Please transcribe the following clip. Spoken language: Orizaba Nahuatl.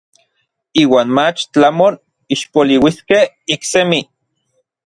Iuan mach tlamon ixpoliuiskej iksemi.